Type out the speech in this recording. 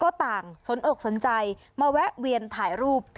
ก็ต่างสนอกสนใจมาแวะเวียนถ่ายรูป